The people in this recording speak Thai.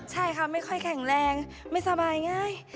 ใช่ค่ะไม่ค่อยแข็งแรงไม่สบายง่าย